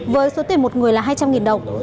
với số tiền một người là hai trăm linh đồng